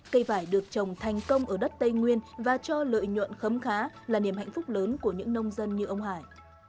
cây vải được trồng thành công ở đất tây nguyên và cho lợi nhuận khấm khá là niềm hạnh phúc lớn của những nông dân như ông hải